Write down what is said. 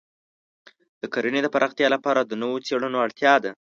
د کرنې د پراختیا لپاره د نوو څېړنو اړتیا ده.